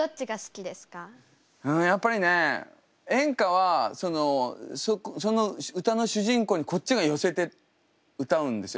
やっぱりね演歌はその歌の主人公にこっちが寄せて歌うんですよ。